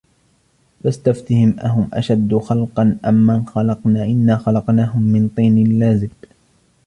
فَاسْتَفْتِهِمْ أَهُمْ أَشَدُّ خَلْقًا أَمْ مَنْ خَلَقْنَا إِنَّا خَلَقْنَاهُمْ مِنْ طِينٍ لَازِبٍ